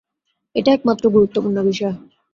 এটাই একমাত্র গুরুত্বপূর্ণ বিষয়।